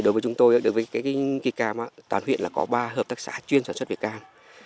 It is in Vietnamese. đối với chúng tôi đối với cây cam toàn huyện có ba hợp tác xã chuyên sản xuất về cam